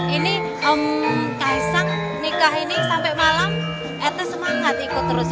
ini om kaisang nikah ini sampai malam etes semangat ikut terus